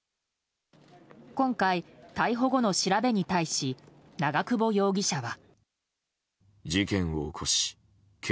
今回、逮捕後の調べに対し長久保容疑者は。